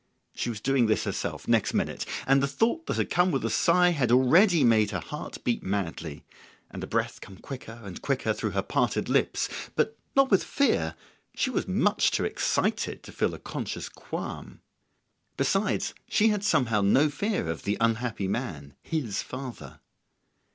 She was doing this herself next minute. And the thought that had come with a sigh had already made her heart beat madly, and the breath come quicker and quicker through her parted lips; but not with fear; she was much too excited to feel a conscious qualm. Besides, she had somehow no fear of the unhappy man, his father.